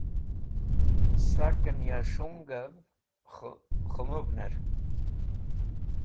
Sakẽn ya shungẽv k̃hẽmũvnẽr.